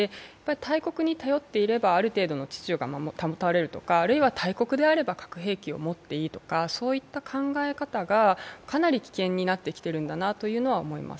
大国に頼っていれば、ある程度の秩序が保たれるとか、あるいは大国であれば核兵器を持っていいとか、そういった考え方がかなり危険になってきてるんだなと思います。